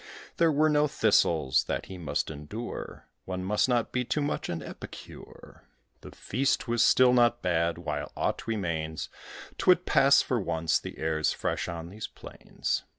There were no thistles, that he must endure: One must not be too much an epicure. The feast was still not bad: while aught remains; 'Twould pass for once, the air's fresh on these plains.